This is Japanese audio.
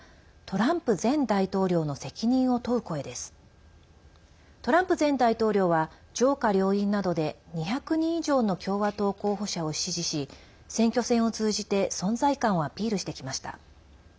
トランプ前大統領は上下両院などで２００人以上の共和党候補者を支持し選挙戦を通じて存在感をアピールしてきました。